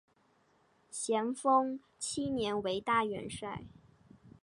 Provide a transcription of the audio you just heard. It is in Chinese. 咸丰七年为大元帅。